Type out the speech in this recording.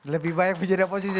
lebih baik menjadi oposisi